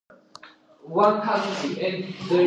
მსახიობის მამა მუშაობდა ქალაქ ალავერდის შახტაში.